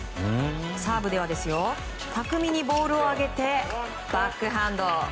サーブでは巧みにボールを上げてバックハンド。